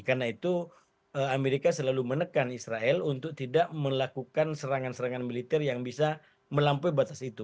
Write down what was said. karena itu amerika selalu menekan israel untuk tidak melakukan serangan serangan militer yang bisa melampaui batas itu